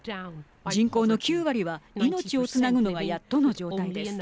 人口の９割は命をつなぐのがやっとの状態です。